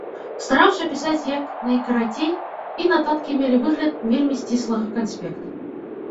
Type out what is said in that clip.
Стараўся пісаць як найкарацей, і нататкі мелі выгляд вельмі сціслага канспекта.